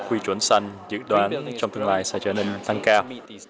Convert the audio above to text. quy chuẩn xanh dự đoán trong tương lai sẽ trở nên tăng cao